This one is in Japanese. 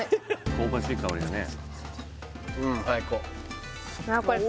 香ばしい香りだね